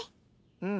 うん。